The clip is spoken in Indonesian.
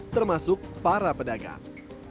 termasuk para pedagang